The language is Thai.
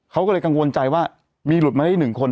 เขาก็เลยกังวลใจว่ามีหลุดมาได้๑คน